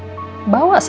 bawa selama sepanjangnya